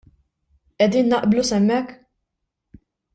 Qegħdin naqblu s'hemmhekk?